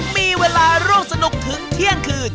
มีเวลาร่วมสนุกถึงเที่ยงคืน